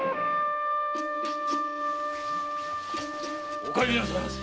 お帰りなさいませ。